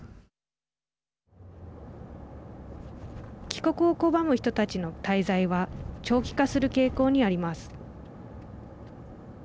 帰国を拒む人たちの滞在は長期化する傾向にあります。